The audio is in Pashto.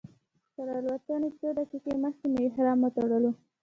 تر الوتنې څو دقیقې مخکې مې احرام وتړلو.